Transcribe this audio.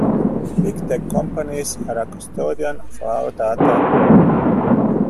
Big tech companies are a custodian of our data.